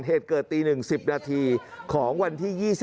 เหตุเกิดตีหนึ่งสิบนาทีของวันที่๒๘